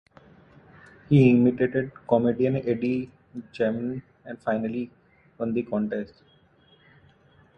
He imitated comedian Eddie Jayamanne and finally won the contest.